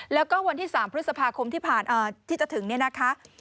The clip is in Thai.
แล้วก็วันที่๓พฤษภาคมที่จะถึงเนี่ยนะคะ